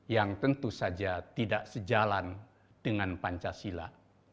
yang tentu saja tidak sejalan dengan pancasila